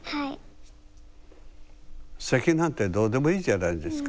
籍なんてどうでもいいじゃないですか。